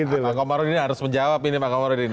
pak komarudin harus menjawab ini pak komarudin